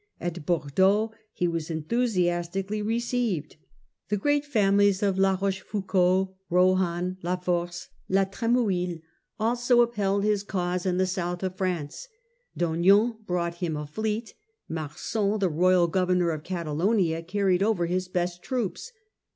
At Bordeaux he was enthusiastically Condd takes received. The great families of La Roche up arms. foucauld, Rohan, La Force, La Tremouille, also upheld his cause in the south of France ; Daugnon brought him a fleet ; Marsin, the royal governor of Cata lonia, carried over his best troops.